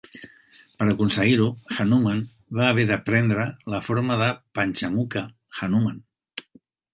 Per aconseguir-ho, Hanuman va haver de prendre la forma de Panchamukha Hanuman.